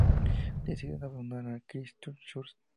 Deciden abandonar Christchurch.